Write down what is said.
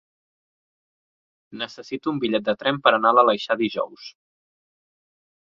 Necessito un bitllet de tren per anar a l'Aleixar dijous.